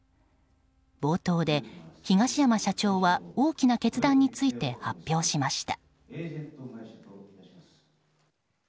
冒頭で東山社長は大きな決断について発表しました。